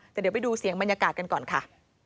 แต่เดี๋ยวไปดูเสียงบรรยากาศกันก่อนค่ะ